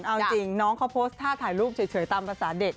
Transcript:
เอาจริงน้องเขาโพสต์ท่าถ่ายรูปเฉยตามภาษาเด็ก